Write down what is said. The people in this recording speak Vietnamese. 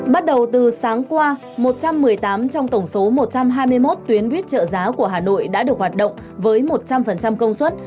bắt đầu từ sáng qua một trăm một mươi tám trong tổng số một trăm hai mươi một tuyến buýt trợ giá của hà nội đã được hoạt động với một trăm linh công suất